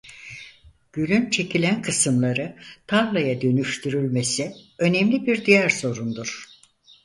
Gölün çekilen kısımları tarlaya dönüştürülmesi önemli bir diğer sorundur.